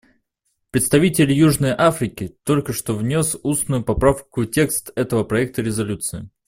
Представитель Южной Африки только что внес устную поправку в текст этого проекта резолюции.